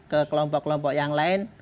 ke kelompok kelompok yang lain